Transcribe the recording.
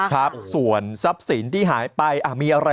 ครับส่วนซับสินที่หายไปอ่ะมีอะไรบ้าง